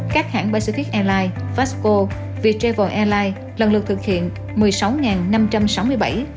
các hãng pacific airlines vasco viettravel airlines lần lượt thực hiện một mươi sáu năm trăm sáu mươi bảy tám tám mươi bốn và bốn tám trăm chín mươi năm chuyến bay